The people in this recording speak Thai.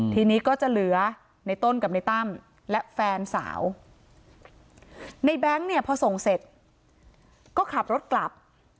ทีนี้ก็จะเหลือในต้นกับในตั้มและแฟนสาวในแบงค์เนี่ยพอส่งเสร็จก็ขับรถกลับ